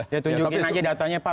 ya tunjukkan saja datanya pak